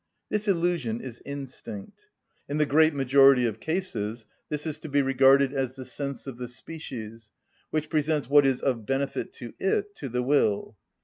This illusion is instinct. In the great majority of cases this is to be regarded as the sense of the species, which presents what is of benefit to it to the will.